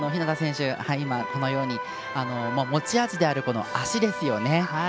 このように持ち味である足ですね。